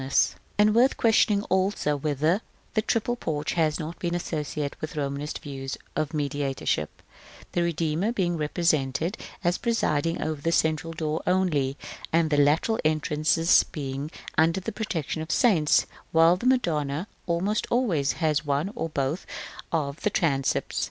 FOOTNOTES: And worth questioning, also, whether the triple porch has not been associated with Romanist views of mediatorship; the Redeemer being represented as presiding over the central door only, and the lateral entrances being under the protection of saints, while the Madonna almost always has one or both of the transepts.